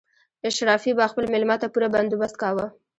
اشرافي به خپل مېلمه ته پوره بندوبست کاوه.